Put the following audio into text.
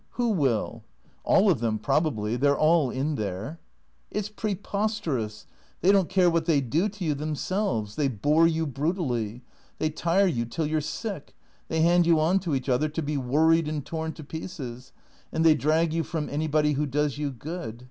"Who will?" " All of them, probably. They 're all in there." " It 's preposterous. They don't care what they do to you themselves ; they bore you brutally ; they tire you till you 're sick ; they hand you on to each other, to be worried and torn to pieces; and they drag you from anybody who does you good.